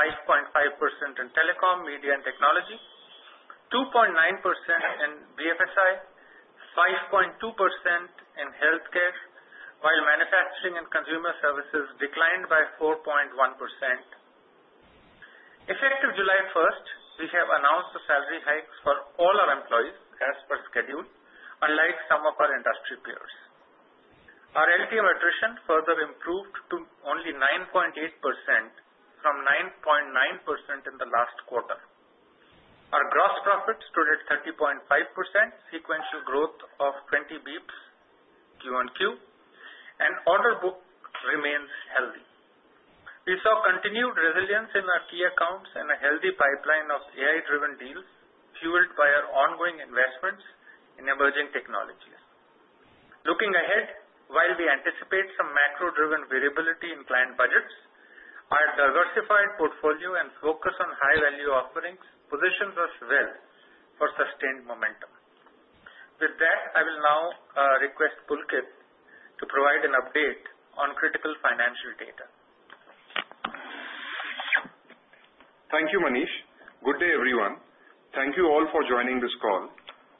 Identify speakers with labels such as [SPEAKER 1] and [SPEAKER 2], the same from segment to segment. [SPEAKER 1] Rose 5.5% in telecom, media and technology, 2.9% in BFSI, 5.2% in healthcare while manufacturing and consumer services declined by 4.1%. If you enter July 1st, we have announced the salary hikes for all our employees as per schedule. Unlike some of our industry peers, our LTM attrition further improved to only 9.8% from 9.9% in the last quarter. Our gross profit stood at 30.5%. Sequential growth of 20 basis points Q-on-Q and order book remains healthy. We saw continued resilience in our key accounts and a healthy pipeline of AI driven deals fueled by our ongoing investments in emerging technologies. Looking ahead, while we anticipate some macro driven variability in client budgets, our diversified portfolio and focus on high value offerings positions us well for sustained momentum. With that, I will now request Pulkit to provide an update on critical financial data.
[SPEAKER 2] Thank you, Manish. Good day, everyone. Thank you all for joining this call.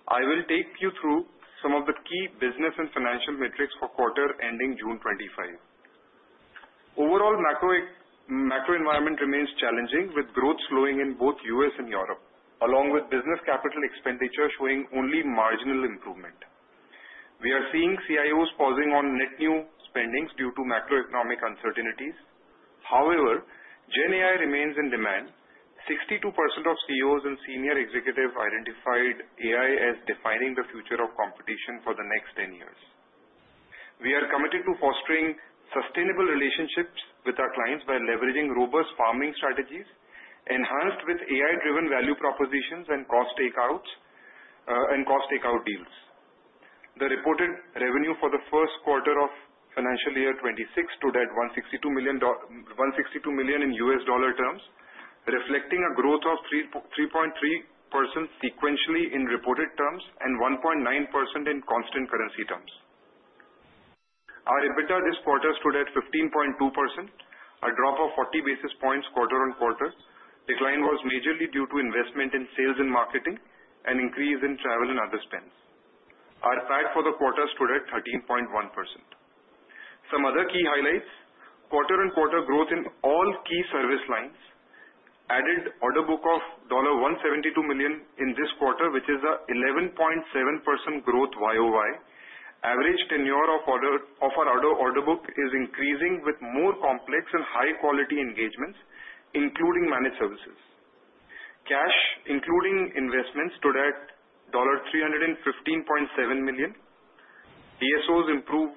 [SPEAKER 2] I will take you through some of the key business and financial metrics for the quarter ending June 25. Overall macro environment remains challenging with growth slowing in both the U.S. and Europe along with business capital expenditure showing only marginal improvement. We are seeing CIOs pausing on net new spendings due to macroeconomic uncertainties. However, Gen AI remains in demand. 62% of CEOs and senior executives identified AI as defining the future of competition for the next 10 years. We are committed to fostering sustainable relationships with our clients by leveraging robust farming strategies enhanced with AI-driven value propositions and cost takeouts and cost takeout deals. The reported revenue for the first quarter of financial year 2026 stood at $162 million, reflecting a growth of 3.3% sequentially in reported terms and 1.9% in constant currency terms. Our EBITDA this quarter stood at 15.2%, a drop of 40 basis points quarter-on-quarter decline was majorly due to investment in sales and marketing and increase in travel and other spends. Our FAD for the quarter stood at 13.1%. Some other key highlights: quarter-on-quarter growth in all key service lines, added order book of $172 million in this quarter which is an 11.7% growth YoY averaged in Europe. Our order book is increasing with more complex and high-quality engagements including managed services. Cash including investments stood at $315.7 million. CSOs improved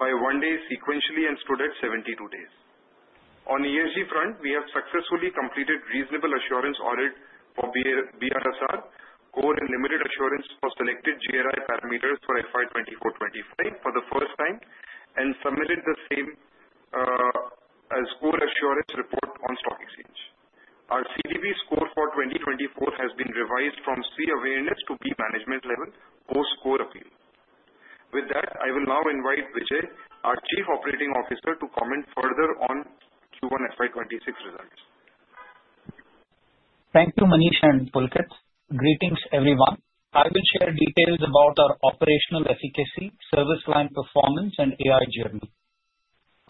[SPEAKER 2] by one day sequentially and stood at 72 days. On ESG front, we have successfully completed reasonable assurance audit for BRSR code and limited assurance for selected GRI parameters for FY 2024-FY 2025 for the first time and submitted the same score assurance report on Stock Exchange. Our CGP score for 2024 has been revised from C Awareness to Peak Management level post core appeal. With that, I will now invite Vijay, our Chief Operating Officer, to comment further on Q1 FY 2026 results.
[SPEAKER 3] Thank you Manish and Pulkit. Greetings everyone. I will share details about our operational efficacy, service line performance, and AI journey.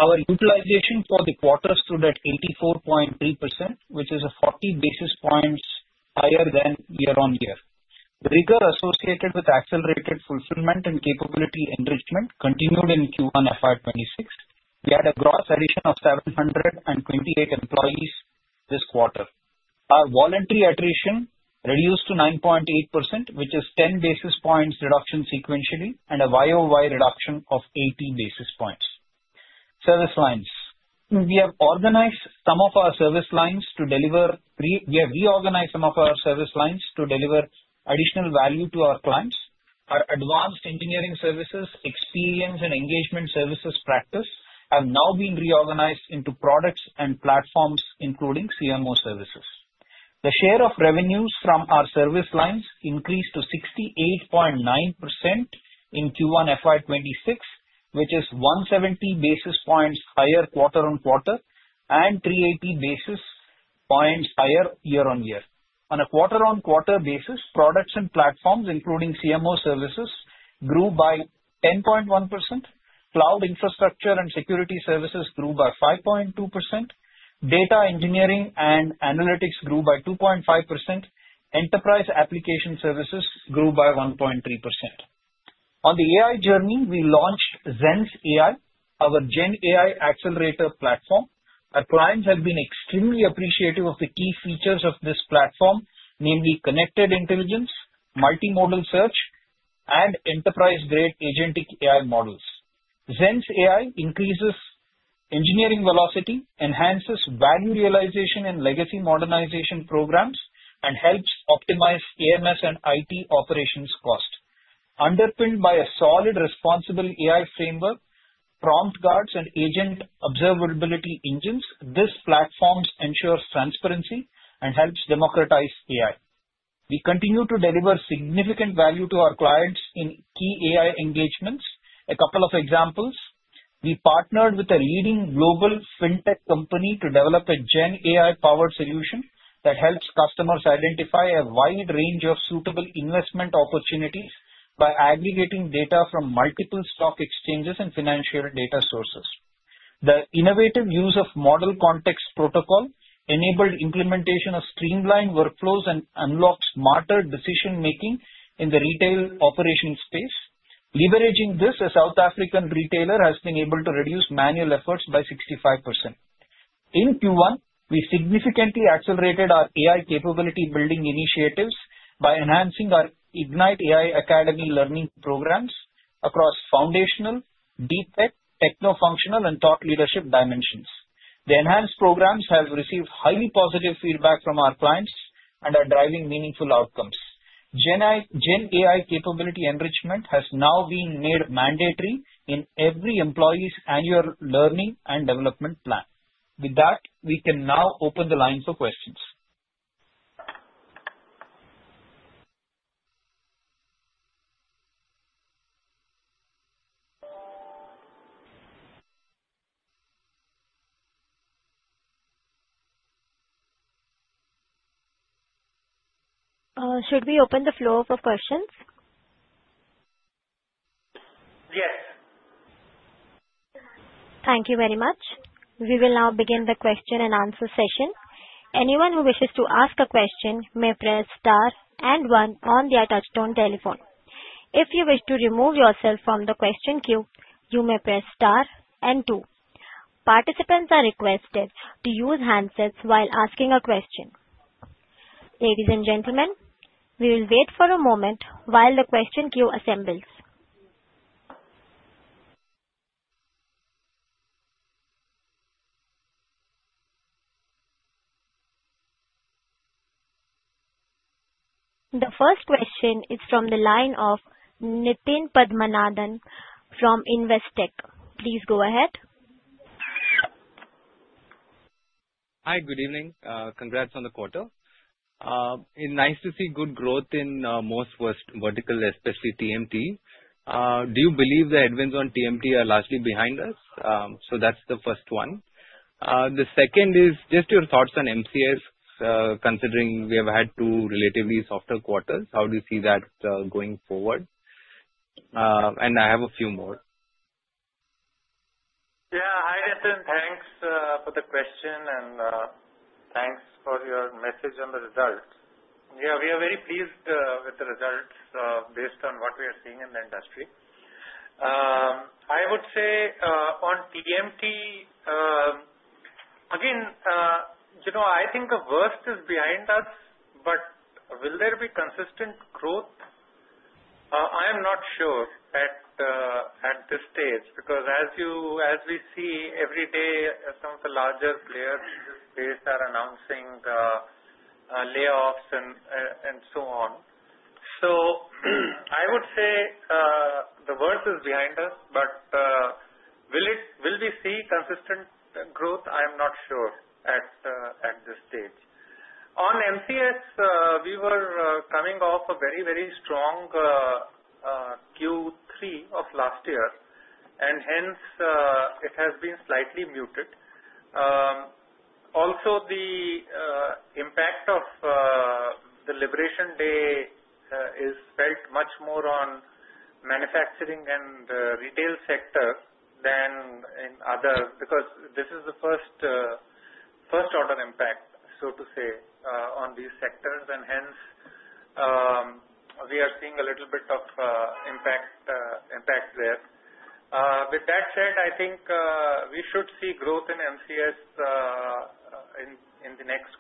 [SPEAKER 3] Our utilization for the quarter stood at 84.3%, which is 40 basis points higher than year-on-year. Rigor associated with accelerated fulfillment and capability enrichment continued in Q1 FY 2026. We had a gross addition of 728 employees this quarter. Our voluntary attrition reduced to 9.8%, which is a 10 basis points reduction sequentially and a year-on-year reduction of 80 basis points. We have reorganized some of our service lines to deliver additional value to our clients. Our advanced engineering services, experience and engagement services practice have now been reorganized into products and platforms including CMO services. The share of revenues from our service lines increased to 68.9% in Q1 FY 2026, which is 170 basis points higher quarter-on-quarter and 380 basis points higher year-on-year on a quarter-on-quarter basis. Products and platforms including CMO services grew by 10.1%. Cloud infrastructure and security services grew by 5.2%. Data engineering and analytics grew by 2.5%. Enterprise application services grew by 1.3%. On the AI journey, we launched Zen AI, our Gen AI accelerator platform. Our clients have been extremely appreciative of the key features of this platform, namely connected intelligence, multimodal search, and enterprise grade agentic AI models. Zen AI increases engineering velocity, enhances value realization and legacy modernization programs, and helps optimize AMS and IT operations cost. Underpinned by a solid responsible AI framework, prompt guards, and agent observability engines, this platform ensures transparency and helps democratize AI. We continue to deliver significant value to our clients in key AI engagements. A couple of examples: we partnered with a leading global fintech company to develop a Gen AI powered solution that helps customers identify a wide range of suitable investment opportunities by aggregating data from multiple stock exchanges and financial data sources. The innovative use of Model Context protocol enabled implementation of streamlined workflows and unlocked smarter decision making in the retail operations space. Leveraging this, a South African retailer has been able to reduce manual efforts by 65%. In Q1, we significantly accelerated our AI capability building initiatives by enhancing our Ignite AI Academy learning programs across foundational, deep tech, techno functional, and thought leadership dimensions. The enhanced programs have received highly positive feedback from our clients and are driving meaningful outcomes. Gen AI capability enrichment has now been made mandatory in every employee's annual learning and development plan. With that, we can now open the line for questions.
[SPEAKER 4] Should we open the floor for questions? Thank you very much. We will now begin the question and answer session. Anyone who wishes to ask a question may press Star and one on their touchtone telephone. If you wish to remove yourself from the question queue, you may press Star and two. Participants are requested to use handsets while asking a question. Ladies and gentlemen, we will wait for a moment while the question queue assembles. The first question is from the line of Nitin Padmanandan from Investec. Please go ahead.
[SPEAKER 5] Hi, good evening. Congrats on the quarter. It's nice to see good growth in most first vertical, especially TMT. Do you believe the headwinds on TMT are largely behind us? That's the first one. The second is just your thoughts on MCS. Considering we have had two relatively softer quarters, how do you see that going forward? I have a few more.
[SPEAKER 1] Yeah. Hi Nitin, thanks for the question and thanks for your message on the results. Yeah, we are very pleased with the results based on what we are seeing in the industry. I would say on TMT again, you know, I think the worst is behind us. Will there be consistent growth? I am not sure at this stage because as we see every day, some of the larger players are announcing layoffs and so on. I would say the worst is behind us. Will we see consistent growth? I am not sure at this stage. On MCS, we were coming off a very, very strong Q3 of last year and hence it has been slightly muted. Also, the impact of the Liberation Day is felt much more on manufacturing and retail sector than in others because this is the first, first order impact, so to say, on these sectors and hence we are seeing a little bit of impact there. With that said, I think we should see growth in MCS in the next,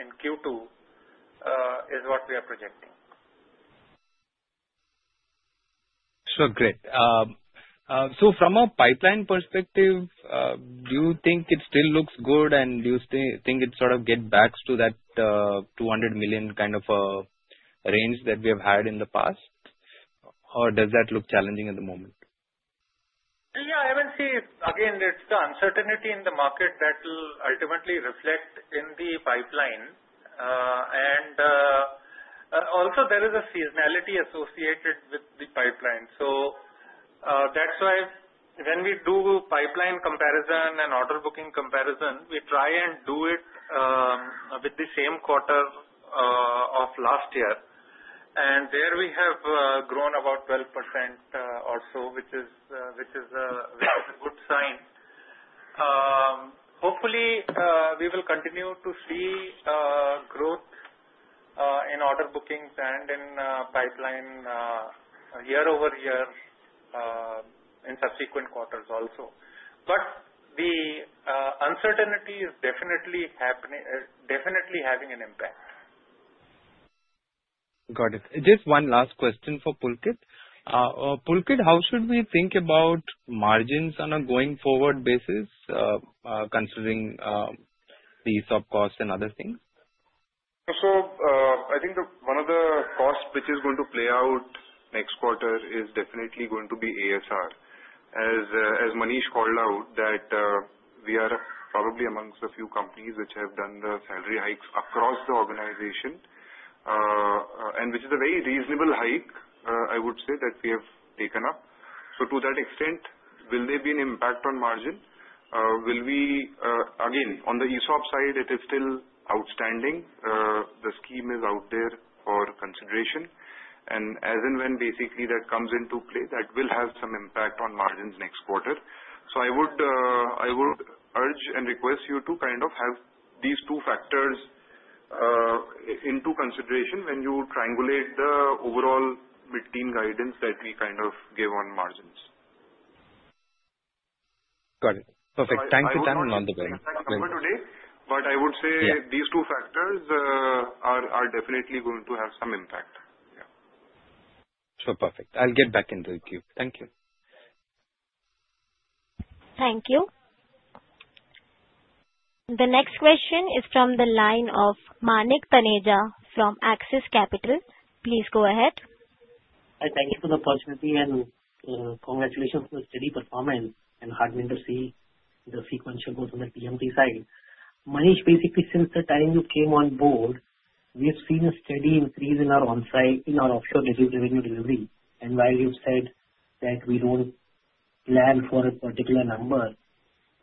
[SPEAKER 1] in Q2 is what we are projecting.
[SPEAKER 5] Sure. Great. From a pipeline perspective, do you think it still looks good and you still think it sort of to that $200 million kind of range that we have had in the past or does that look challenging at the moment?
[SPEAKER 1] I would say again it's the uncertainty in the market that will ultimately reflect in the pipeline and also there is a seasonality associated with the pipeline. That's why when we do pipeline comparison and order booking comparison, we try and do it with the same quarter of last year and there we have grown about 12% or so, which is a good sign. Hopefully, we will continue to see growth in order bookings and in pipeline year-over-year in subsequent quarters also. The uncertainty is definitely having an impact.
[SPEAKER 5] Got it. Just one last question for Pulkit. Pulkit, how should we think about margins on a going forward basis considering the ESOP cost and other things?
[SPEAKER 2] I think one of the costs which is going to play out next quarter is definitely going to be ASR, as Manish called out that we are probably amongst the few companies which have done the salary hikes across the organization, and which is a very reasonable hike I would say that we have taken up. To that extent, will there be an impact on margin? Again, on the ESOP scheme side, it is still outstanding. The scheme is out there for consideration. As and when that comes, that will have some impact on margins next quarter. I would urge and request you to kind of have these two factors into consideration when you triangulate the overall mid team guidance that we kind of give on margins.
[SPEAKER 5] Got it. Perfect. Thank you.
[SPEAKER 2] I would say these two factors are definitely going to have some impact.
[SPEAKER 5] Sure. Perfect. I'll get back into the queue. Thank you.
[SPEAKER 4] Thank you. The next question is from the line of Manik Taneja from Axix Capital. Please go ahead.
[SPEAKER 6] I thank you for the opportunity and congratulations on the steady performance and hardware industry, the sequential growth on the TMT side. Manish, basically since the time you came on board, we have seen a steady increase in our onsite, in our offshore revenue delivery. While you said that we don't plan for a particular number,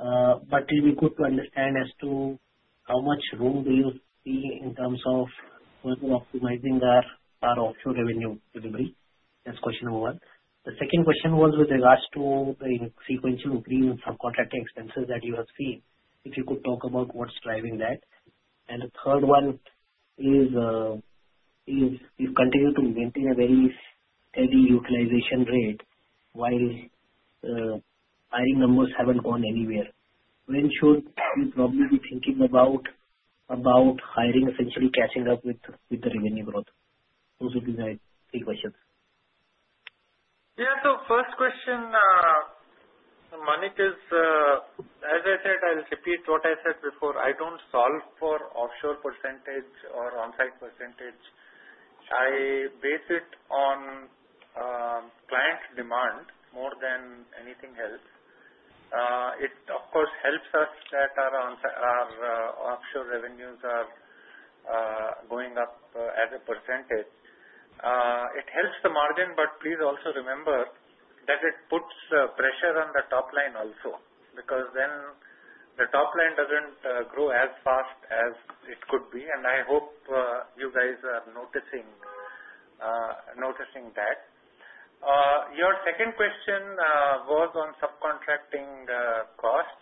[SPEAKER 6] it'll be good to understand as to how much room do you see in terms of optimizing the offshore revenue delivery. That's question number one. The second question was with regards to sequential premium subcontracting expenses that you have seen. If you could talk about what's driving that. The third one is you continue to maintain a very steady utilization rate while hiring numbers haven't gone anywhere. I'm sure you probably be thinking about hiring essentially catching up with the revenue growth. Those would be my three questions.
[SPEAKER 1] Yeah. The first question, Manik, is as I said, I'll repeat what I said before. I don't solve for offshore percentage or on site percentage. I base it on client demand more than anything else. It of course helps us that our offshore revenues are going up as a percentage. It helps the margin. Please also remember that it puts pressure on the top line also because then the top line doesn't grow as fast as it could be. I hope you guys are noticing that your second question was on subcontracting costs.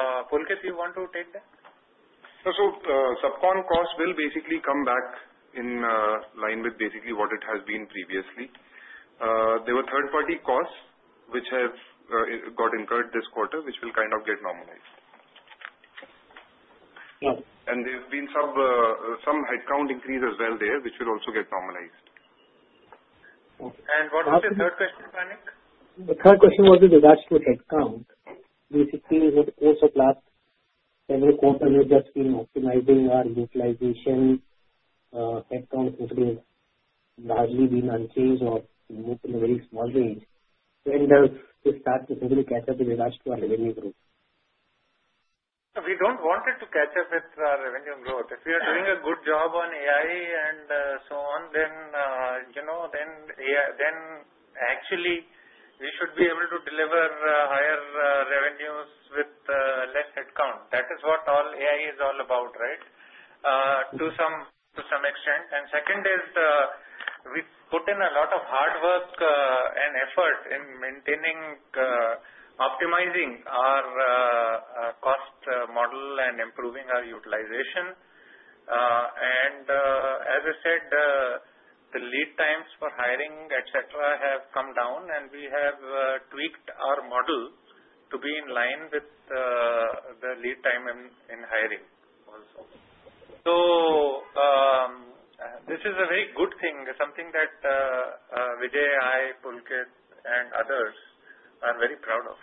[SPEAKER 1] Pulkit, you want to take that?
[SPEAKER 2] Subcon cost will basically come back in line with what it has been previously. There were third party costs which have got incurred this quarter, which will kind of get normalized. No. There has been some headcount increase as well there, which will also get normalized.
[SPEAKER 1] What was the third question, Manik?
[SPEAKER 6] The third question was with regards to headcount every quarter. You just, you know, it might be our utilization headcount. Largely we manage within a very small range.
[SPEAKER 1] We don't want it to catch up with revenue growth. If you are doing a good job on AI and so on, then, yeah, then actually we should be able to deliver higher revenues with less headcount. That is what all AI is all about, right? To some extent. The second is we put in a lot of hard work and effort in maintaining and optimizing our cost model and improving our utilization. As I said, the lead times for hiring, etc., have come down and we have tweaked our model to be in line with the lead time in hiring also. This is a very good thing, something that Vijay, I, Pulkit, and others are very proud of.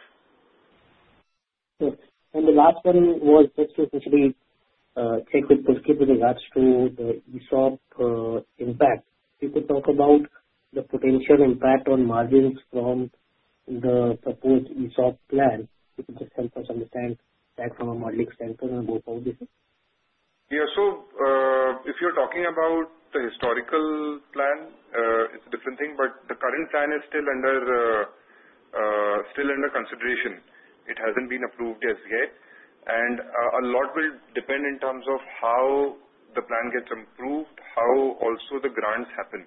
[SPEAKER 6] The last one was just essentially with regards to the ESOP impact. You could talk about the potential impact on margins from the proposed ESOP scheme. You could just help us understand that from a modeling standpoint on both.
[SPEAKER 2] If you're talking about the historical plan, it's a different thing. The current plan is still under consideration. It hasn't been approved as yet. A lot will depend in terms of how the plan gets approved, how also the grants happen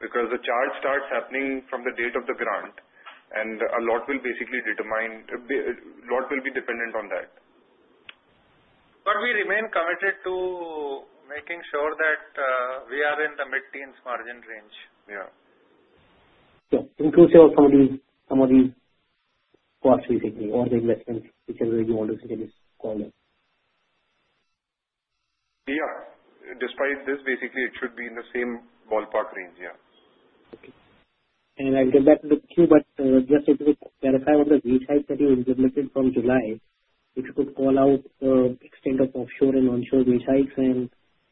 [SPEAKER 2] because the charge starts happening from the date of the grant, and a lot will basically determine. A lot will be dependent on that.
[SPEAKER 1] We remain committed to making sure that we are in the mid teens margin range.
[SPEAKER 2] Yeah.
[SPEAKER 6] Inclusive of some of these costs we take or the investment, whichever you want to see in this call.
[SPEAKER 2] Despite this, it should be in the same ballpark range.
[SPEAKER 6] I'll get back to the queue, but just clarify of the V hike that you from July, if you could call out extent of offshore and onshore beach hikes, and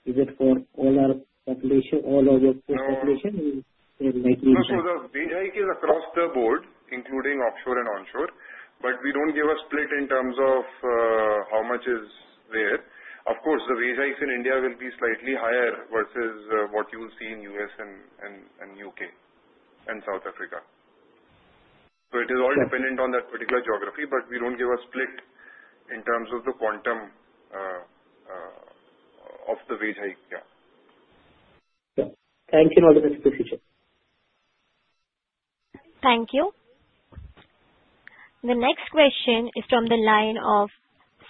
[SPEAKER 6] is it for all our population, all of your circulation you.
[SPEAKER 2] Likely is across the board including offshore and onshore. We don't give a split in terms of how much is there. Of course, the wage hikes in India will be slightly higher versus what you will see in the U.S., and U.K., and South Africa. It is all dependent on that particular geography. We don't give a split in terms of the quantum of the wage hike.
[SPEAKER 6] Yeah, thank you.
[SPEAKER 4] Thank you. The next question is from the line of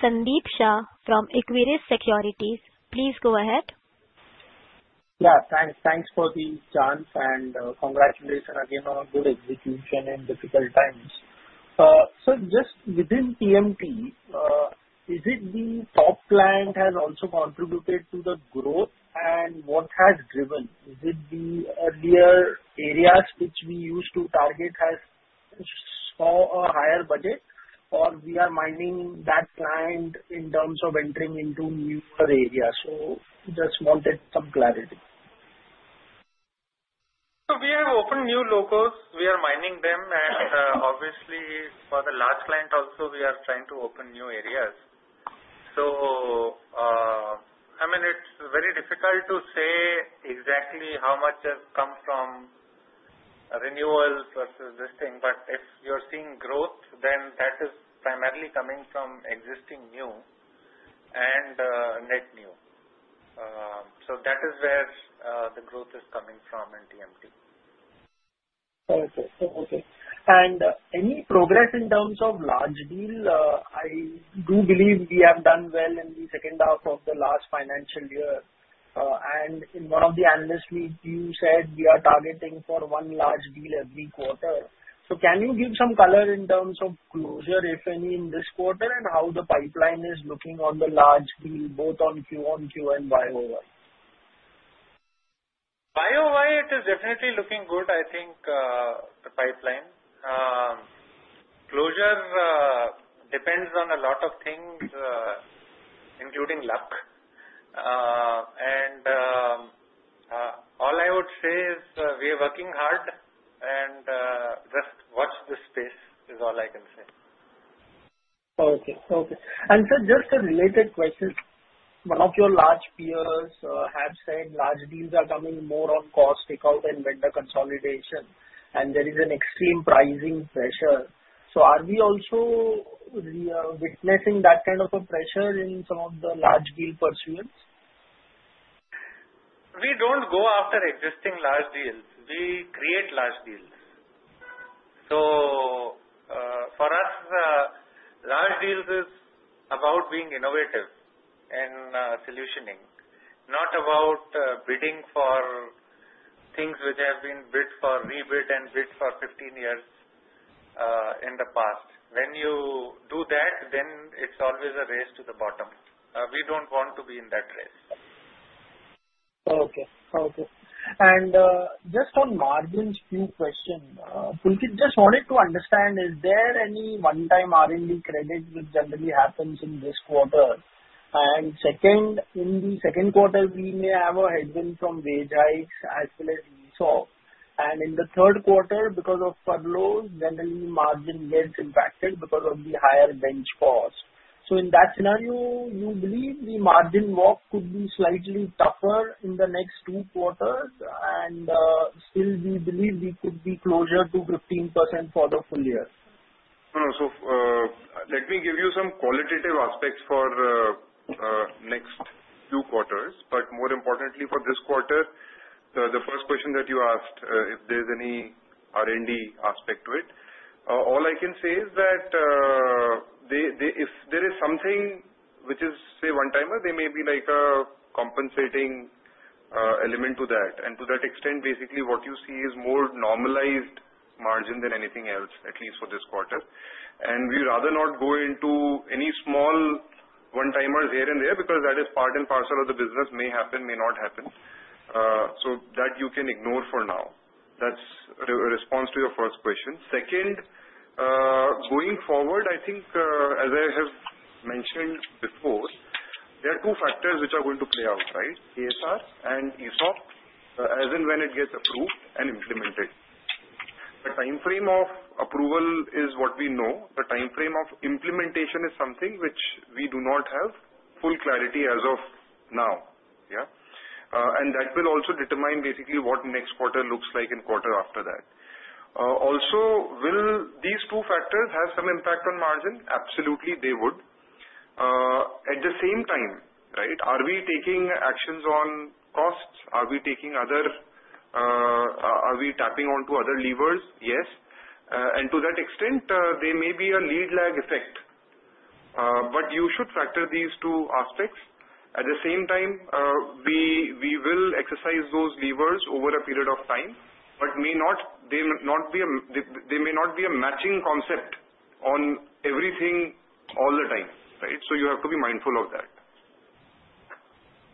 [SPEAKER 4] Sandeep Shah from Aquarius Securities. Please go ahead.
[SPEAKER 7] Yeah, thanks. Thanks for the chance and congratulations again on a good execution in difficult times. Just within TMT, has the top client also contributed to the growth and what has driven it? Is it the earlier areas which we used to target have a higher budget or are we mining that client in terms of entering into new areas? Just wanted some clarity.
[SPEAKER 1] We have opened new locos, we are mining them, and obviously for the large client also we are trying to open new areas. It's very difficult to say exactly how much has come from renewals versus this thing. If you're seeing growth, then that is primarily coming from existing, new, and net new. That is where the growth is coming from in TMT.
[SPEAKER 7] Any progress in terms of large deal? I do believe we have done well in the second half of the last financial year and in one of the analysts you said we are targeting for one large deal every quarter. Can you give some color in terms of closure, if any, in this quarter and how the pipeline is looking on the large deal both on Q-on-Q and Y-o-Y?
[SPEAKER 1] Y-o-Y it is definitely looking good. I think the pipeline closure depends on a lot of things including luck. All I would say is we are working hard and just watch this space is all I can say.
[SPEAKER 7] Just a related question, one of your large peers have said large deals are coming more on cost takeout and vendor consolidation and there is an extreme pricing pressure. Are we also witnessing that kind of a pressure in some of the large deal pursuance?
[SPEAKER 1] We don't go after existing large deals, we create large deals. For us, large deals is about being innovative in solutioning, not about bidding for things which have been bid for, rebid, and bids for 15 years in the past. When you do that, then it's always a race to the bottom. We don't want to be in that race.
[SPEAKER 7] Just on margin speed question, just wanted to understand is there any one-time R&D credit which generally happens in this quarter and second, in the second quarter we may have a headwind from wage hikes as well as we saw. In the third quarter, because of furloughs, then the margin gets impacted because of the higher benchmark. Pause. In that scenario, you believe the margin work could be slightly tougher in the next three quarters and still we believe we could be closer to 15% for the full year.
[SPEAKER 2] Let me give you some qualitative aspects for next few quarters. More importantly for this quarter, the first question that you asked, if there's any R&D aspect to it, all I can say is that if there is something which is, say, one timer, there may be like a compensating element to that and to that extent, basically what you see is more normalized margin than anything else, at least for this quarter. We would rather not go into any small one timers here and there because that is part and parcel of the business. May happen, may not happen. You can ignore that for now. That's a response to your first question. Second, going forward, I think as I have mentioned before, there are two factors which are going to play outside ASR and ESOP as and when it gets approved and implemented. The time frame of approval is what we know. A time frame of implementation is something which we do not have full clarity as of now. That will also determine basically what next quarter looks like and quarter after that. Also, will these two factors have some impact on margin? Absolutely, they would. At the same time, are we taking actions on costs? Are we tapping on to other levers? Yes, to that extent there may be a need lag effect, but you should factor these two aspects at the same time. We will exercise those levers over a period of time. They may not be a matching concept on everything all the time. Right. You have to be mindful of that.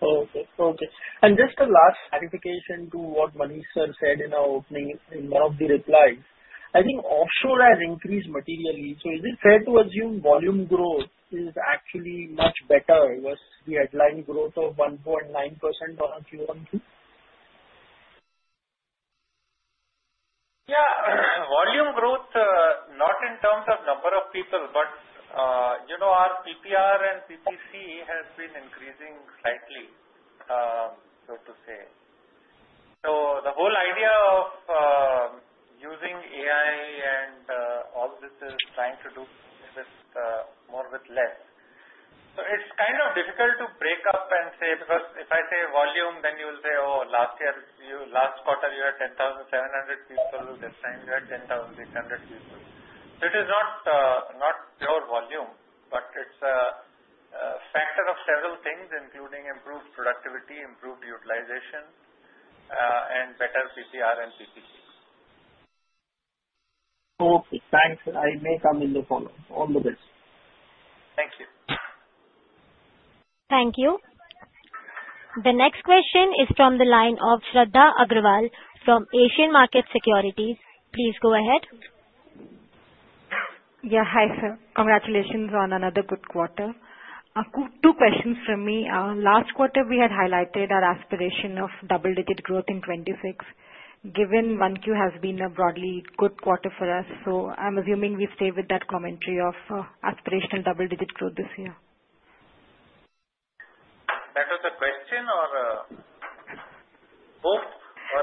[SPEAKER 7] Okay. Just a last clarification to what Manish said in our opening in one of the replies, I think offshore has increased materially. Is it fair to assume volume growth is actually much better with the headline growth of 1.9%on Q-on-Q?
[SPEAKER 1] Yeah, volume growth not in terms of number of people, but you know, our PPR and PPC has been increasing slightly, so to say. The whole idea of using AI and all this is trying to do just more with less. It's kind of difficult to break up and say because if I say volume then you will say oh, last year, last quarter you had 10,700 seats, this time you had 10,600 seats. It is not your volume but it's a factor of several things including improved productivity, improved utilization, and better PTR and CTC.
[SPEAKER 7] Okay, thanks. I may come in the follow on the best.
[SPEAKER 1] Thanks.
[SPEAKER 4] Thank you. The next question is from the line of Shraddha Agrawal from Asian Market Securities. Please go ahead.
[SPEAKER 8] Hi sir. Congratulations on another good quarter. Two questions from me. Last quarter we had highlighted our aspiration of double digit growth in 2026. Given 1Q has been a broadly good quarter for us, I'm assuming we stay with that commentary of aspirational double digit growth this year.
[SPEAKER 1] That was a question, or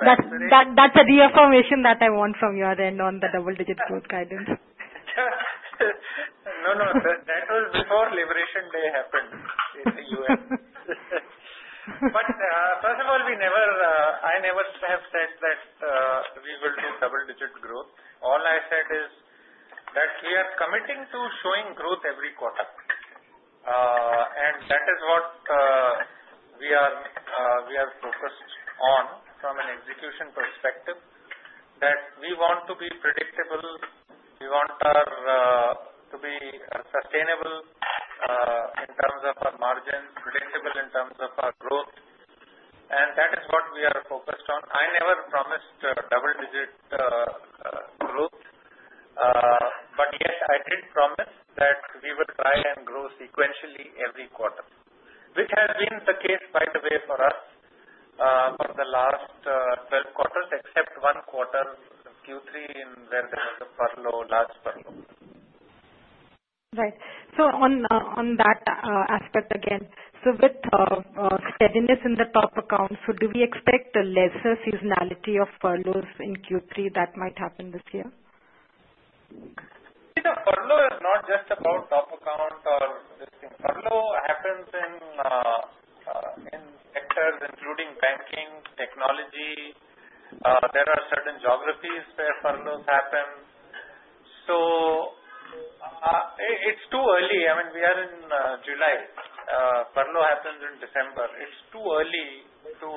[SPEAKER 1] that's a—
[SPEAKER 8] Reaffirmation that I want from your end on the double digit growth guidance.
[SPEAKER 1] No, that was before Liberation Day happened in the U.N. First of all, I never have said that we will see double-digit growth. All I said is that we are committing to showing growth every quarter. That is what we are focused on from an execution perspective. We want to be predictable, we want to be sustainable in terms of our margins, predictable in terms of our growth, and that is what we are focused on. I never promised double-digit growth, but yes, I did promise that we would buy and grow sequentially every quarter, which has been the case by the way for us for the last 12/4 except 1/4 since Q3, where there was a large furlough.
[SPEAKER 8] Right, on that aspect again, with steadiness in the top account, do we expect a lesser seasonality of furloughs in Q3 that might happen this year?
[SPEAKER 1] The furlough is not just about top account or this thing. Furlough happens in sectors including banking technology. There are certain geographies where furloughs happen. It's too early. I mean we are in July, furlough happens in December. It's too early to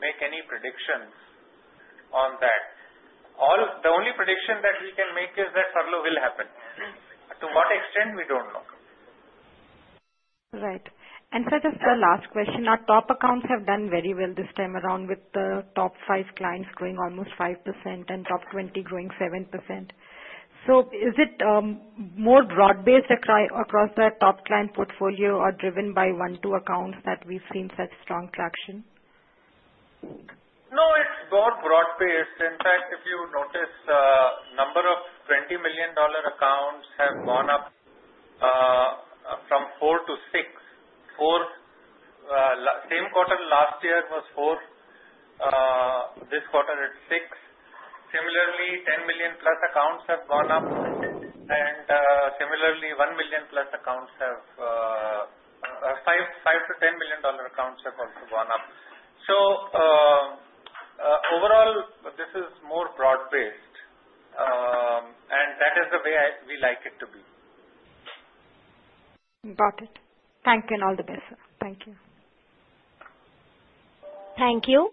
[SPEAKER 1] make any predictions on that. The only prediction that we can make is that furlough will happen. To what extent we don't know.
[SPEAKER 8] Right. Just the last question. Our top accounts have done very well this time around, with the top five clients growing almost 5% and top 20 growing 7%. Is it more broad based across the top client portfolio or driven by one or two accounts that we've seen such strong traction?
[SPEAKER 1] No, it's broad based. In fact, if you notice, number of $20 million accounts have gone up from four to six. Same quarter last year was four. This quarter it's six. Similarly, $10 million plus accounts have gone up, and similarly $1+ million accounts and $5-$10 million accounts have also gone up. Overall, this is more broad based, and that is the way we like it to be.
[SPEAKER 8] Got it. Thank you and all the best. Thank you.
[SPEAKER 4] Thank you.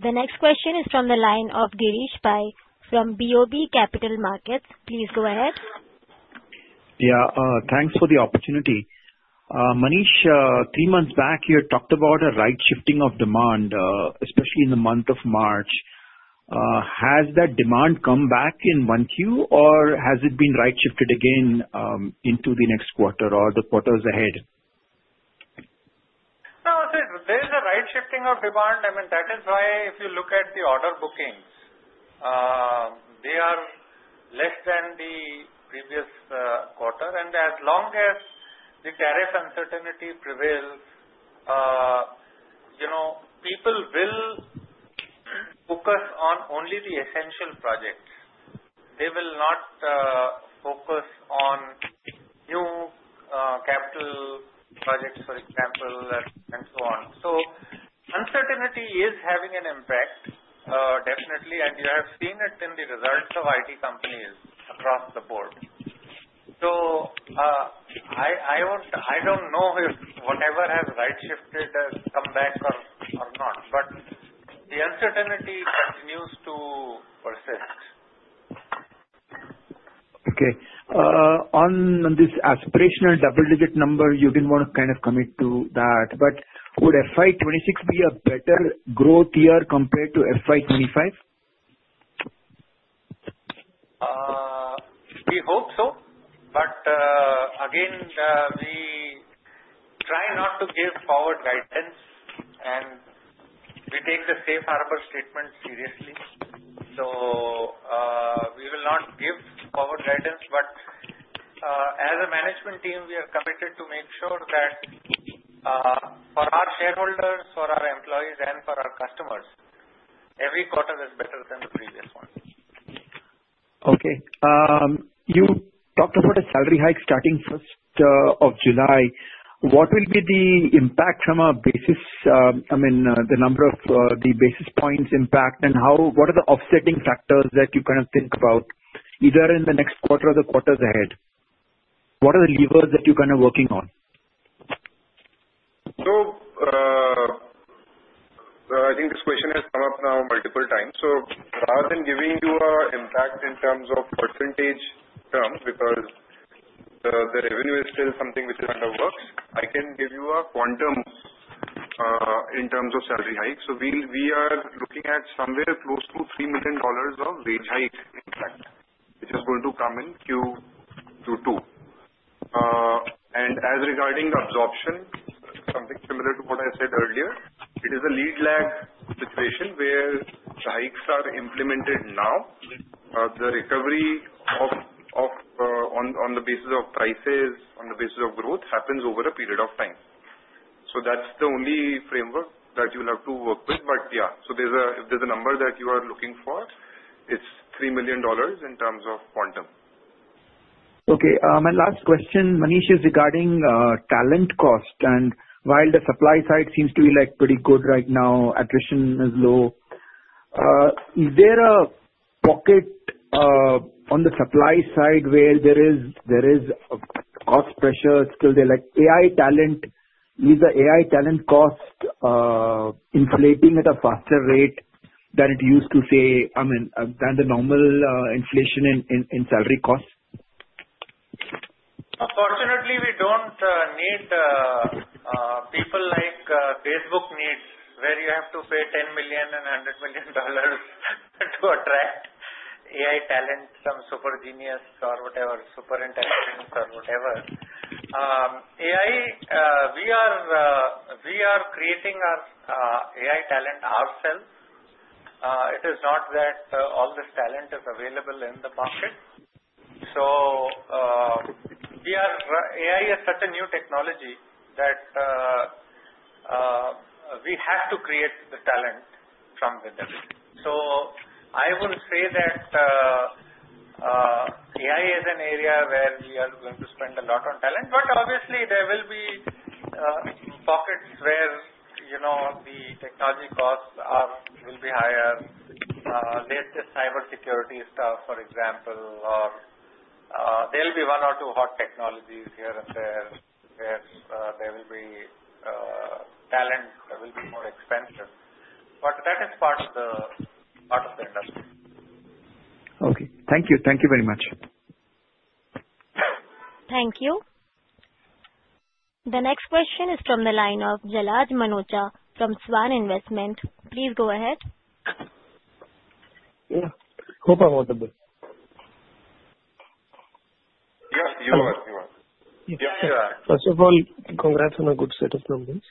[SPEAKER 4] The next question is from the line of Girish Bhai from Bob Capital Markets. Please go ahead.
[SPEAKER 9] Yeah, thanks for the opportunity. Manish, three months back you had talked about a right shifting of demand especially in the month of March. Has that demand come back in one Q or has it been right shifted again into the next quarter or the quarters ahead?
[SPEAKER 1] Now there is a right shifting of demand. That is why if you look at the order bookings they are less than the previous quarter. As long as the tariff uncertainty prevail, you know people will focus on only the essential projects. They will not focus on new capital projects for example and so on. Uncertainty is having an impact definitely and you have seen it in the results of IT companies across the board. I don't know if whatever has right shifted has come back or not but the uncertainty continues to persist.
[SPEAKER 9] Okay, on this aspirational double-digit number, you didn't want to kind of commit to that. Would FY 2026 be a better growth year compared to FY 2025?
[SPEAKER 1] We hope so. Again, we try not to give forward guidance, and we take the safe harbor statement seriously. We will not give forward guidance, but as a management team, we are committed to make sure that for our shareholders, for our employees, and for our customers, every quarter is better than the previous one.
[SPEAKER 9] Okay, you talked about a salary hike starting first of July. What will be the impact from a basis? I mean, the number of the basis points impact and how. What are the offsetting factors that you kind of think about either in the next quarter or the quarters ahead? What are the levers that you're kind of working on?
[SPEAKER 2] I think this question has come up now multiple times. Rather than giving you an impact in terms of percentage because the revenue is still something within the works, I can give you a quantum in terms of salary hike. We are looking at somewhere close to $3 million of wage hikes which are going to come in Q2 and as regarding the absorption, something similar to what I said earlier, it is a lead lag situation where the hikes are implemented. The recovery on the basis of prices, on the basis of growth, happens over a period of time. That's the only framework that you will have to work with. If there's a number that you are looking for, it's $3 million in terms of quantum.
[SPEAKER 9] Okay. My last question, Manish, is regarding talent cost. While the supply side seems to be pretty good right now, attrition is low. Is there a pocket on the supply side where there is cost pressure still there, like AI talent? Is the AI talent cost inflating at a faster rate than it used to, I mean, than the normal inflation in salary cost?
[SPEAKER 1] Fortunately, we don't need people like Facebook needs, where you have to pay $10 million and $100 million to attract AI talent, some super genius or whatever, superintendent or whatever. AI, we are creating our AI talent ourselves. It is not that all this talent is available in the buffet. AI is such a new technology that we have to create the talent from within. I will say that AI is an area where we are going to spend a lot on talent. Obviously, there will be pockets where the technology costs are higher. Latest cyber security stuff, for example. There will be one or two hot technologies here and there where talents will be more expensive. That is part of the industry.
[SPEAKER 9] Okay, thank you. Thank you very much.
[SPEAKER 4] Thank you. The next question is from the line of Jalaj Manocha from SVAN Investment. Please go ahead.
[SPEAKER 10] Yeah, hope I'm audible.
[SPEAKER 2] Yes, you must be right.
[SPEAKER 1] Yes, you are.
[SPEAKER 10] First of all, congrats on a good set of numbers.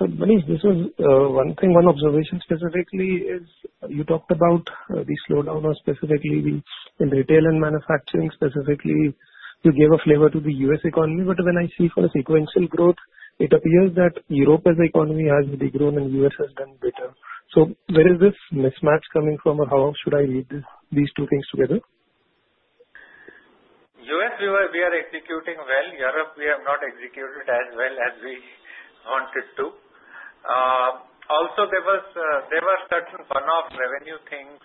[SPEAKER 10] Manish, this is one thing, one observation specifically is you talked about the slowdown or specifically in retail and manufacturing. Specifically, you gave a flavor to the U.S. economy. When I see for a sequential growth, it appears that Europe as economy has degrown and U.S. has done better. Where is this mismatch coming from? How should I read these two things together?
[SPEAKER 1] U.S. we are executing well. Europe we have not executed as well as we wanted to. Also, there was certain one-off revenue things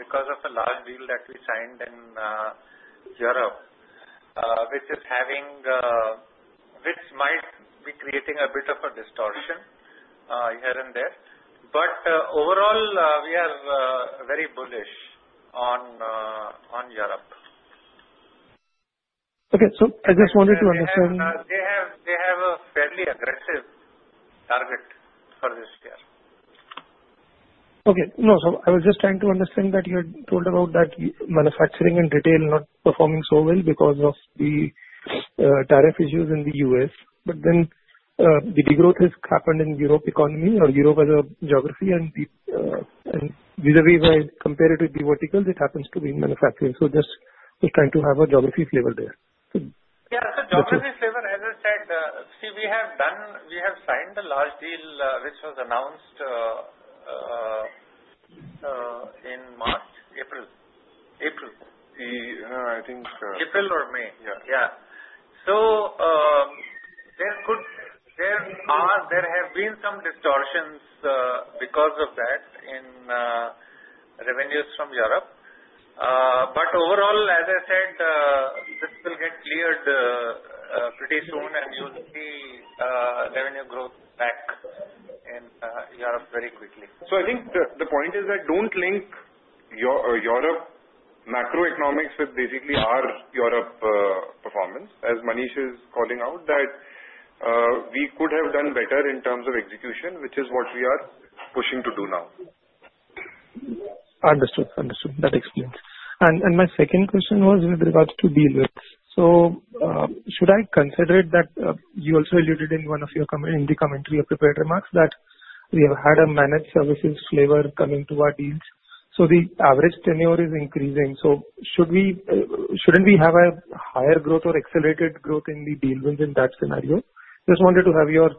[SPEAKER 1] because of the last deal that we signed in Europe, which is having, which might be creating a bit of a distortion here and there. Overall, we are very bullish on Europe.
[SPEAKER 10] I just wanted to understand,
[SPEAKER 1] They have a fairly aggressive target for this year.
[SPEAKER 10] Okay. I was just trying to understand that you told about that manufacturing in detail not performing so well because of the tariff issues in the U.S., but then the degrowth has happened in Europe economy or Europe as a geography, and usually when compared to the vertical that happens to be manufacturing. This is trying to have a geography flavor there.
[SPEAKER 1] Yeah. Geography flavor as I said, we have done, we have signed the last deal which was announced in March. April. April. I think April or May. Yeah. There have been some distortions because of that in revenues from Europe. Overall, as I said, this will get cleared pretty soon and you'll see revenue growth back in Europe very quickly.
[SPEAKER 2] I think the point is that don't link your macroeconomics with basically our Europe performance, as Manish is calling out that we could have done better in terms of execution, which is what we are pushing to do now.
[SPEAKER 10] Understood, understood. That explains, and my second question was with regards to deal wins. Should I consider it that you also alluded in one of your commentary prepared remarks that we have had a managed services flavor coming to our teams? The average tenure is increasing. Should we, shouldn't we have a higher growth or accelerated growth in the deal wins in that scenario? Just wanted to have your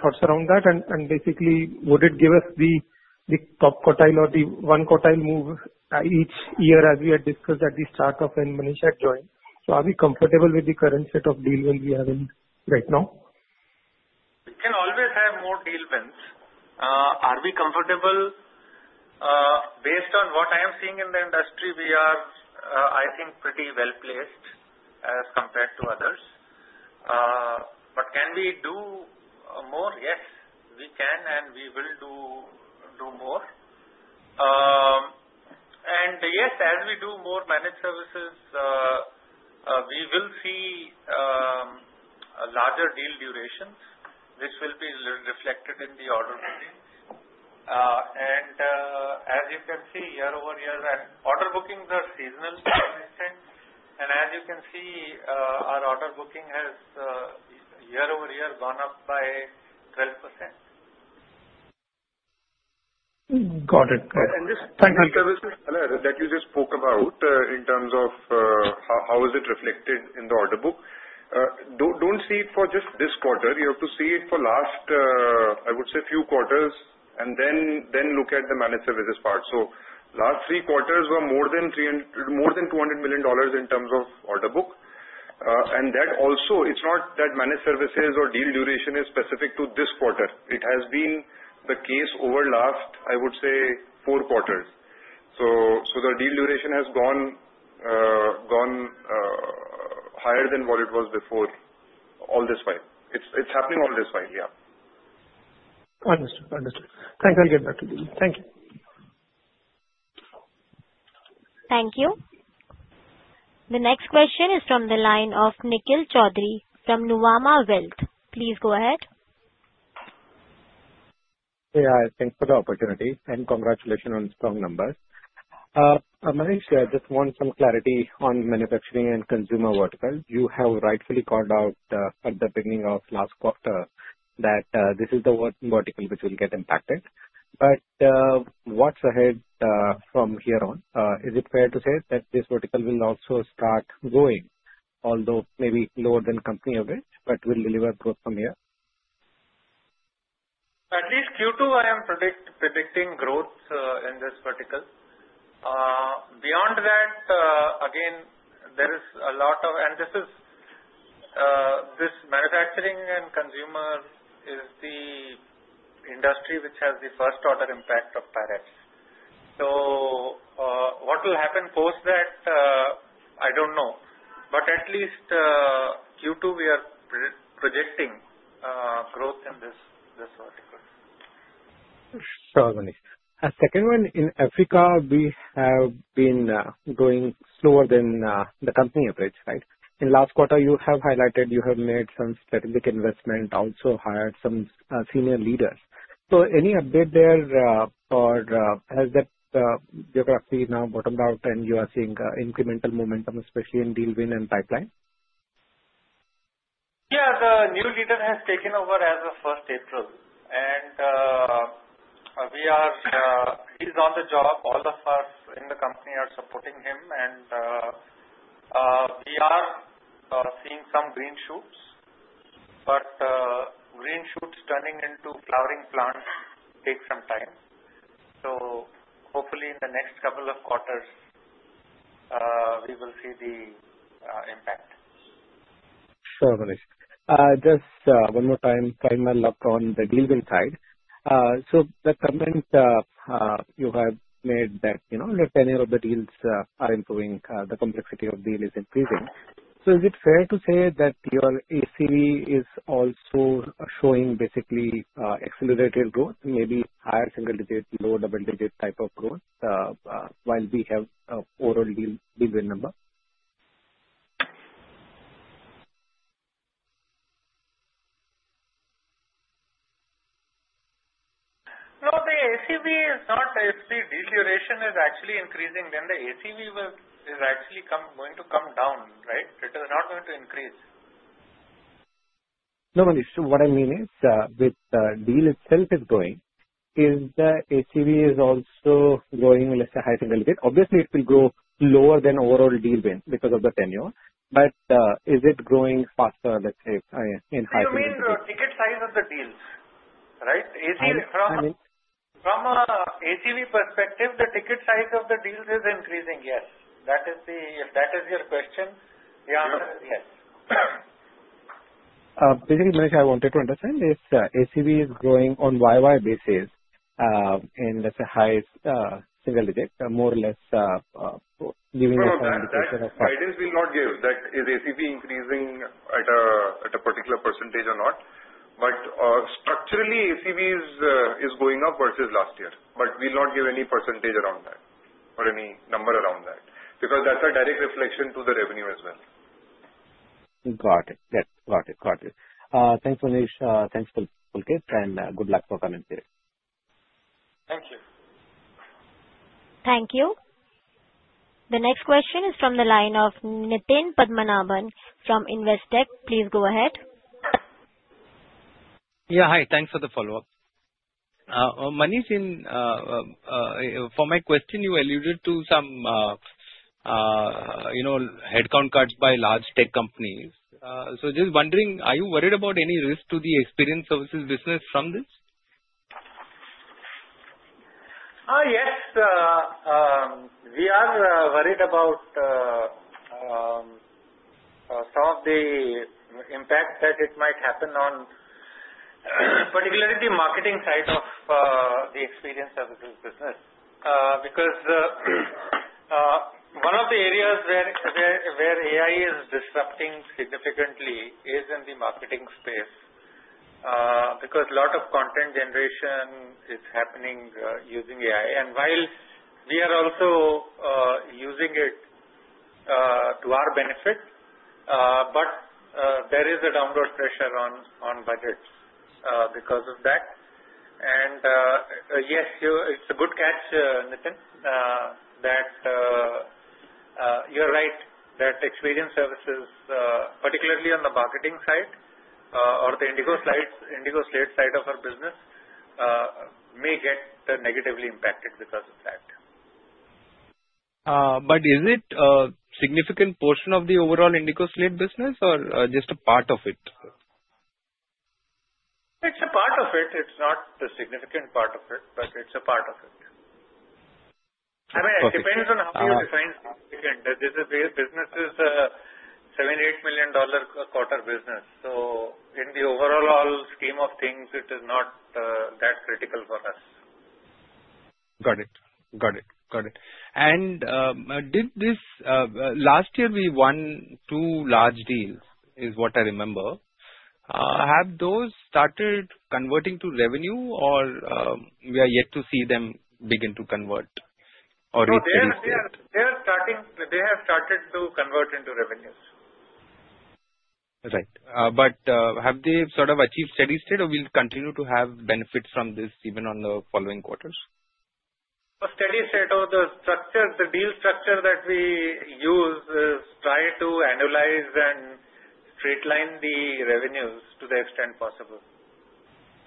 [SPEAKER 10] thoughts around that. Basically, would it give us the top quartile or the one quartile move each year as we had discussed at the start of Manish's join? Are we comfortable with the current set of deals? When we have in right now?
[SPEAKER 1] We can always have more deal wins. Are we comfortable? Based on what I am seeing in the industry, we are, I think, pretty well-placed as compared to others. Can we do more? Yes, we can, and we will do more. Yes, as we do more managed services, we will see larger deal durations, which will be reflected in the order book. As you can see, year-over-year, order bookings are seasonal. As you can see, our order booking has year-over-year gone up by 12%.
[SPEAKER 10] Got it. Thank you.
[SPEAKER 2] That you just spoke about in terms of how is it reflected in the order book? Don't see it for just this quarter. You have to see it for last, I would say, few quarters and then look at the managed services part. Last three quarters were more than $200 million in terms of order book. It's not that managed services or deal duration is specific to this quarter. It has been the case over last, I would say, four quarters. The deal duration has gone higher than what it was before. All this file. It's happening on this file.
[SPEAKER 10] Yeah, thanks. I'll get back to you. Thank you.
[SPEAKER 4] Thank you. The next question is from the line of Nikhil Choudhary from Nuvama Wealth. Please go ahead.
[SPEAKER 11] Yeah, thanks for the opportunity and congratulations on strong numbers. I just want some clarity on manufacturing and consumer vertical. You have rightfully called out at the beginning of last quarter that this is the working vertical which will get impacted. What's ahead from here on? Is it fair to say that this vertical will also start going, although maybe lower than company average, but will deliver growth from here.
[SPEAKER 1] At least Q2? I am predicting growth in this particular. Beyond that, again, there is a lot of, and this is manufacturing and consumer is the industry which has the first order impact of parrots. What will happen post that I don't know, but at least Q2 we are projecting growth in this article.
[SPEAKER 11] A second one in Africa, we have been going slower than the company average. Right. In last quarter, you have highlighted you have made some strategic investment, also hired some senior leaders. Any update there or has that geography now bottomed out and you are seeing incremental momentum, especially in deal win and pipeline?
[SPEAKER 1] Yeah, the new leader has taken over as of the 1st of April and he is on the job. All of us in the company are supporting him and we are seeing some green shoots, but green shoots turning into flowering plants take some time. Hopefully in the next couple of quarters we will see the impact.
[SPEAKER 11] Sure. Just one more time. Final luck on the deal win side. The comment you have made that the tenure of the deals are improving, the complexity of deal is increasing. Is it fair to say that your ACV is also showing basically accelerated growth, maybe higher single digit, low double digit type of growth while we have overall deal win number?
[SPEAKER 1] No, the ACV is not. If the deal duration is actually increasing, then the ACV is actually going to come down, right? It is not going to increase.
[SPEAKER 11] No, Manish. What I mean is with the deal itself growing, is the ACV also growing, let's say high single digit? Obviously, it will grow lower than overall deal win because of the tenure. Is it growing faster, let's say, in high single-digits?
[SPEAKER 1] You mean the ticket size of the deals, right? From ACV perspective, the ticket size of the deals is increasing. Yes, that is, if that is your question, the answer is yes.
[SPEAKER 11] Basically, I wanted to understand this. ACV is growing on year-over-year basis in the highest single digits, more or less givin us an indication of
[SPEAKER 2] Guidance will not give that is ACV increasing at a particular percentage or not. Structurally, ACV is going up versus last year. We'll not give any percentage around that or any number around that because that's a direct reflection to the revenue as well.
[SPEAKER 11] Got it, got it, got it. Thanks, Manish. Thanks and good luck for coming.
[SPEAKER 2] Thank you.
[SPEAKER 4] Thank you. The next question is from the line of Nitin Padmanabhan from Investec. Please go ahead.
[SPEAKER 5] Yeah, hi, thanks for the follow up Manish. For my question, you alluded to some, you know, head count cuts by large tech companies. Just wondering, are you worried about any risk to the experience services business from this?
[SPEAKER 1] Yes, we are worried about some of the impact that it might happen on particularly the marketing side of the experience services business because one of the areas where AI is disrupting significantly is in the marketing space because a lot of content generation is happening using AI and while we are also using it to our benefit, there is a downward pressure on budgets because of that. Yes, it's a good catch Nitin, you're right that experience services, particularly on the marketing side or the Indigo Slides Indigo State side of our business, may get negatively impacted because of that.
[SPEAKER 5] Is it a significant portion of the overall Indigo Slate business or just a part of it?
[SPEAKER 1] It's a part of it. It's not the significant part of it, but it's a part of it. I mean, depends on how you define significant. This is where business is $78 million quarter business, so in the overall scheme of things it is not that critical for us.
[SPEAKER 5] Got it, got it, got it. Did this last year we won two large deals is what I remember. Have those started converting to revenue or are we yet to see them begin to convert or reach the recent?
[SPEAKER 1] They have started to convert into revenues.
[SPEAKER 5] Right. Have they sort of achieved steady state or will we continue to have benefits from this even on the following quarters?
[SPEAKER 1] For steady state of the structure the deal structure that we use is try to annualize and straight line the revenues to the extent possible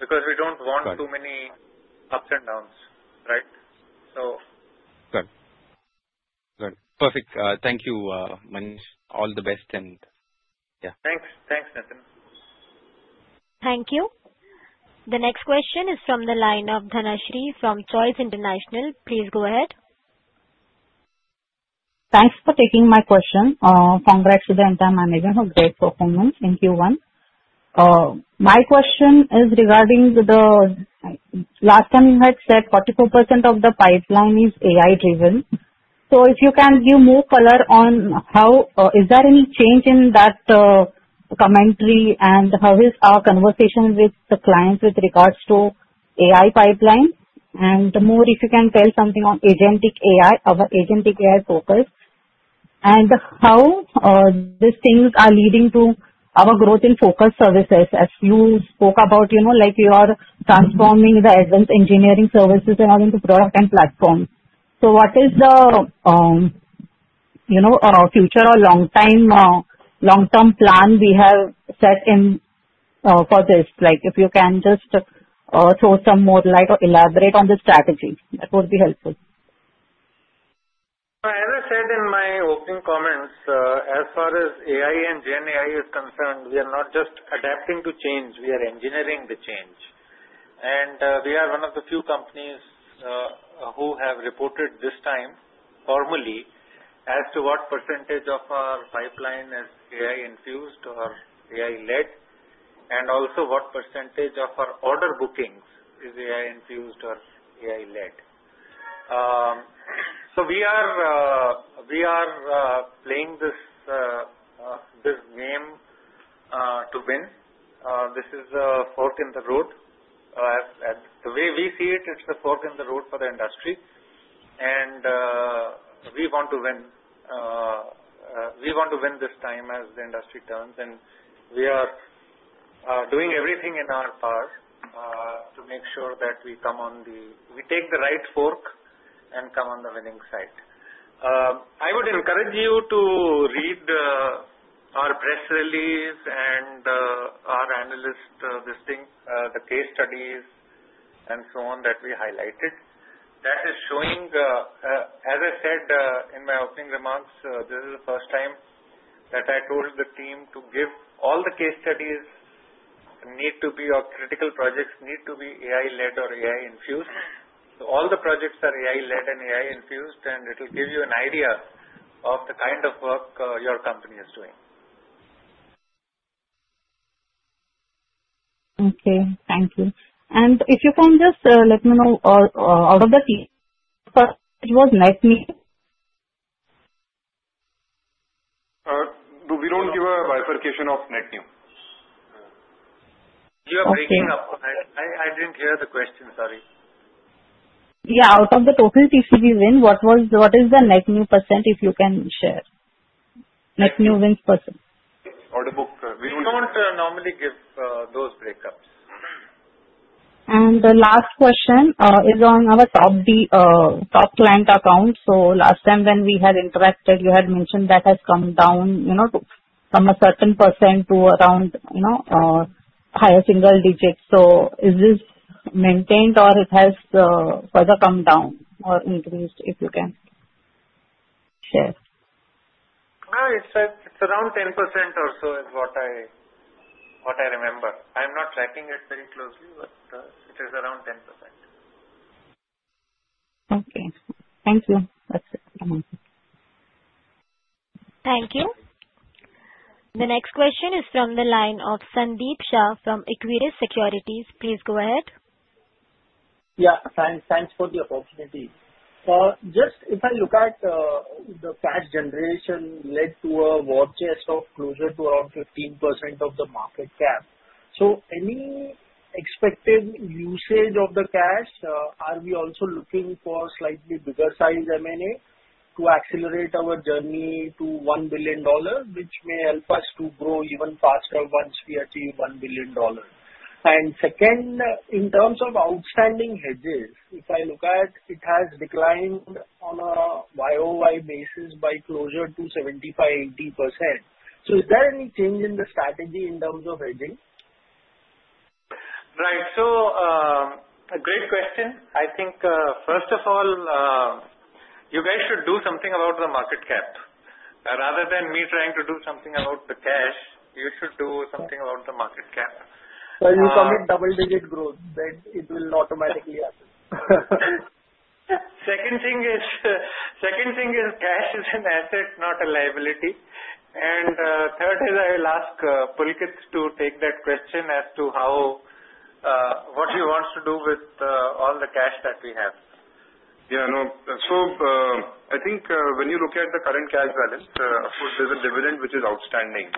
[SPEAKER 1] because we don't want too many ups and downs. Right.
[SPEAKER 5] Perfect. Thank you, Manish. All the best, and yeah, thanks.
[SPEAKER 1] Thanks, Nitin.
[SPEAKER 4] Thank you. The next question is from the line of Dhanashree from Choice International. Please go ahead.
[SPEAKER 12] Thanks for taking my question and great performance in Q1. My question is regarding the last time you had said 44% of the pipeline is AI driven. If you can give more color on how is there any change in that commentary and how is our conversation with the clients with regards to AI pipeline and more if you can tell something on agentic AI, our agent AI focus and how these things are leading to our growth in focus services. As you spoke about, you know, you are transforming the advanced engineering services all into product and platform. What is the, you know, future or long term plan we. Have you set in for this? If you can just throw some more light or elaborate on the strategy, that would be helpful.
[SPEAKER 1] As I said in my opening comments, as far as AI and gen AI is concerned, we are not just adapting to change, we are engineering the change. We are one of the few companies who have reported this time formally as to what percentage of our pipeline is AI infused or AI led and also what percentage of our order bookings is AI infused or AI led. We are playing this game to bins. This is fourth in the road. The way we see it, it's the fourth in the road for the industry and we want to win. We want to win this time as the industry turns and we are doing everything in our power to make sure that we come on the. We take the right fork and come on the winning side. I would encourage you to read our press release and our analyst. This thing, the case studies and so on that we highlighted that is showing as I said in my opening remarks, this is the first time that I told the team to give all the case studies need to be or critical projects need to be AI-led or AI-infused. All the projects are AI-led and AI-infused and it will give you an idea of the kind of work your company is doing.
[SPEAKER 12] Thank you. If you can just let me know out of the feed it was net new.
[SPEAKER 2] We don't give a bifurcation of net new.
[SPEAKER 1] You are breaking up. I didn't hear the question. Sorry.
[SPEAKER 12] Out of the total PCB win, what is the net new percent if you can share net new wins.
[SPEAKER 1] We don't normally give those breakups.
[SPEAKER 12] The last question is on our top client account. Last time when we had interacted, you had mentioned that it has come down from a certain percentage to around higher single-digits. Is this maintained, or has it further come down or increased? If you can share
[SPEAKER 1] It's around 10% or so is what I remember. I'm not tracking it very closely, but it is around 10%.
[SPEAKER 12] Okay, thank you. That's it.
[SPEAKER 4] Thank you. The next question is from the line of Sandeep Shah from Equirus Securities. Please go ahead.
[SPEAKER 7] Yeah, thanks for the opportunity. If I look at the cash generation, it led to a Vodcha stock closer to around 15% of the market cap. Any expected usage of the cash? Are we also looking for slightly bigger size material to accelerate our journey to $1 billion, which may help us to grow even faster once we achieve $1 billion? In terms of outstanding hedges, if I look at it, it has declined on a YoY basis by closer to 75%, 80%. Is there any change in the strategy in terms of hedging?
[SPEAKER 1] Right, great question. First of all, you guys should do something about the market cap rather than me trying to do something about the cash. You should do something about the market cap.
[SPEAKER 7] You commit double digit growth, it will automatically.
[SPEAKER 1] Second thing is, cash is an asset, not a liability. Third is, I will ask Pulkit to take that question as to what he wants to do with all the cash that we have.
[SPEAKER 2] Yeah, no. I think when you look at the current cash balance, of course there's a dividend which is outstanding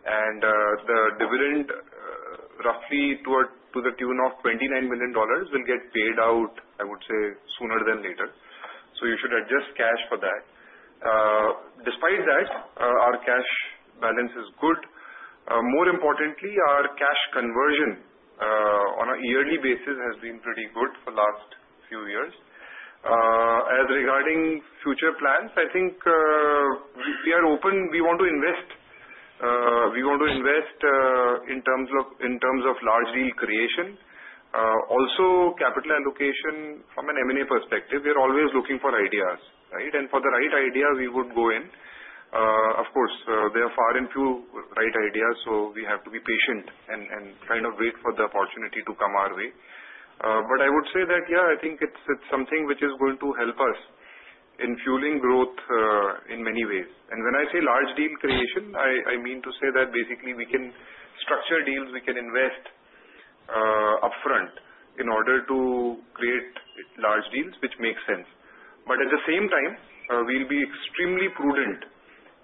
[SPEAKER 2] and the dividend roughly to the tune of $29 million will get paid out, I would say sooner than later. You should adjust cash for that. Despite that, our cash balance is good. More importantly, our cash conversion on a yearly basis has been pretty good for the last few years. As regarding future plans, I think we are open. We want to invest, we want to invest in terms of large deal creation, also capital allocation from an M&A perspective. We are always looking for ideas, right? For the right idea we would go in. Of course there are far and few right ideas. We have to be patient and kind of wait for the opportunity to come our way. I would say that, yeah, I think it's something which is going to help us in fueling growth in many ways. When I say large deal creation, I mean to say that basically we can structure deals, we can invest upfront in order to create large deals, which makes sense. At the same time we'll be extremely prudent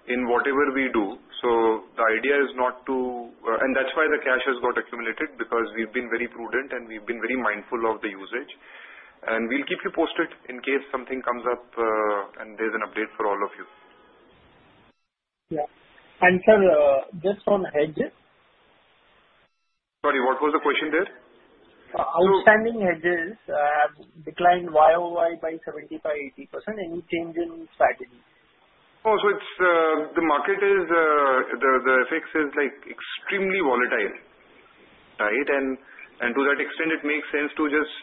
[SPEAKER 2] in whatever we do. The idea is not to. That's why the cash has got accumulated because we've been very prudent and we've been very mindful of the usage. We'll keep you posted in case something comes up and there's an update for all of you.
[SPEAKER 7] Yes. And sir, just on hedges?
[SPEAKER 2] Sorry, what was the question?
[SPEAKER 7] Outstanding hedges have declined year-over-year by 75%, 80%. Any change in strategy?
[SPEAKER 2] The market is extremely volatile, right, and to that extent it makes sense to just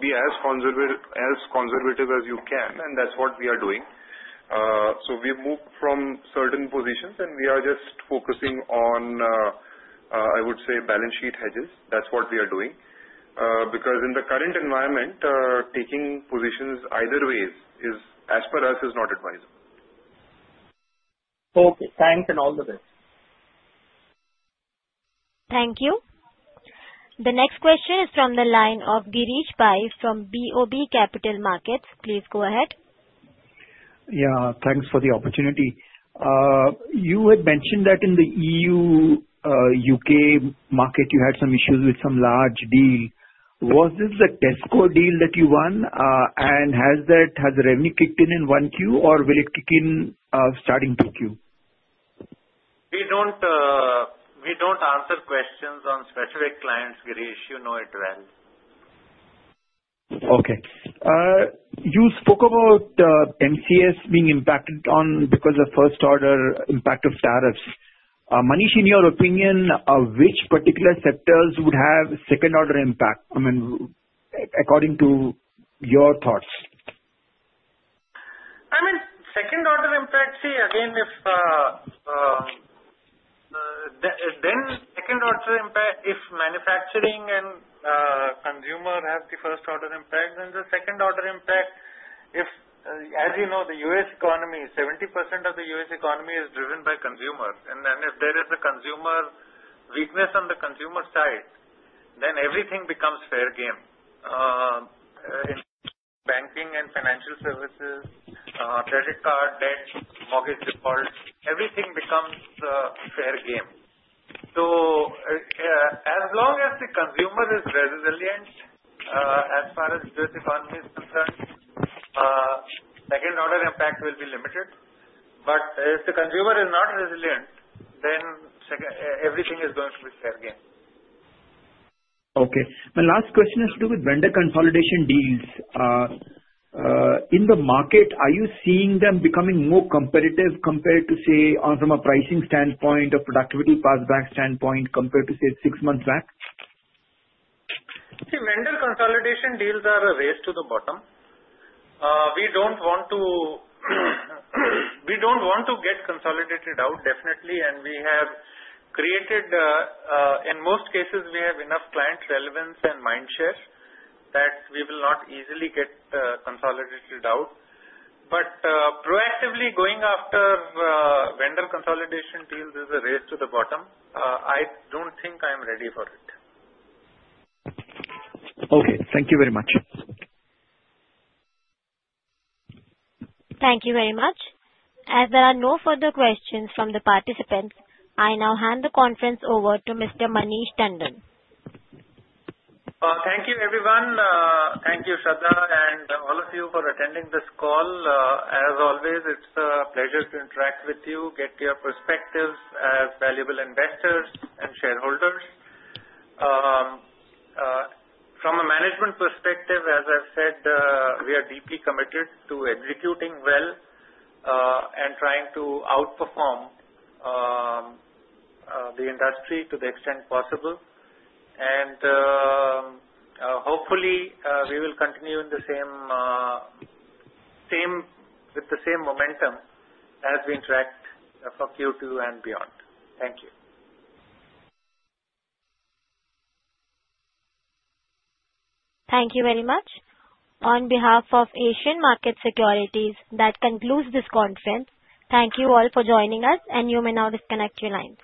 [SPEAKER 2] be as conservative as you can see that is what we are doing. We have moved from certain positions and we are just focusing on, I would say, balance sheet hedges. That's what we are doing. Because in the current environment, taking positions either way is, as per us, not advisable.
[SPEAKER 7] Okay, thanks and all the best.
[SPEAKER 4] Thank you. The next question is from the line of Girish Pai from BOB Capital Markets. Please go ahead.
[SPEAKER 9] Yeah, thanks for the opportunity. You had mentioned that in the Europe U.K. market you had some issues with some large deal. Was this the Tesco deal that you won, and has that, has the Remy kicked in in Q1 or will it kick in starting Q2?
[SPEAKER 1] We don't answer questions on specific clients. Girish, you know it well.
[SPEAKER 9] You spoke about MCS being impacted because of first order impact of tariffs. Manish, in your opinion, which particular sectors would have second order impact? According to your thoughts.
[SPEAKER 1] Second order impact. If manufacturing and consumer have the first order impact and the second order impact, as you know the U.S. economy, 70% of the U.S. economy is driven by consumer and if there is a consumer weakness on the consumer side, everything becomes fair game. Banking and financial services, credit card debt, mortgage, all, everything becomes fair game. As long as the consumer is resilient, as far as diversifying is concerned, second order impact will be limited. If the consumer is not resilient, everything is going to be fair game.
[SPEAKER 9] My last question has to do with vendor consolidation deals. In the market, are you seeing them becoming more competitive compared to, say, from a pricing standpoint, a productivity passback standpoint compared to six months back?
[SPEAKER 1] Vendor consolidation deals are a race to the bottom. We don't want to get consolidated out definitely. We have created, in most cases, enough client relevance and mind share that we will not easily get consolidated out. Proactively going after vendor consolidation deals is a race to the bottom. I don't think I am ready for it.
[SPEAKER 9] Thank you very much.
[SPEAKER 4] Thank you very much. As there are no further questions from the participants, I now hand the conference over to Mr. Manish Tandon.
[SPEAKER 1] Thank you everyone. Thank you Shraddha and all of you for attending this call. As always, it's a pleasure to interact with you and get your perspectives as valuable investors and shareholders from a management perspective. As I've said, we are deeply committed to executing well and trying to outperform the industry to the extent possible. Hopefully, we will continue in the same way with the same momentum as we interact for Q2 and beyond.
[SPEAKER 2] Thank you.
[SPEAKER 4] Thank you very much on behalf of Asian Market Securities. That concludes this conference. Thank you all for joining us. You may now disconnect your lines.